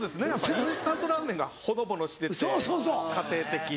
インスタントラーメンがほのぼのしてて家庭的で。